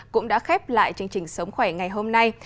cũng đã khép lại chương trình sống khỏe ngày hôm nay